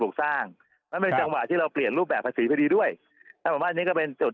สร้างมันเป็นจังหวะที่เราเปลี่ยนรูปแบบภาษีพอดีด้วยถ้าผมว่าอันนี้ก็เป็นจุด